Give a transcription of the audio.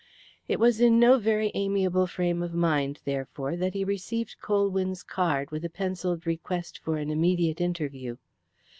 It was in no very amiable frame of mind, therefore, that he received Colwyn's card with a pencilled request for an immediate interview.